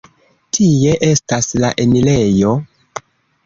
Tie estas la enirejo.